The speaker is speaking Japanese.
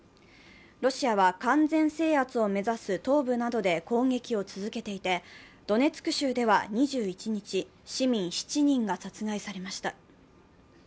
ロシアは完全制圧を目指す東部などで攻撃を続けていてドネツク州では２１日、市民７人が殺害されました。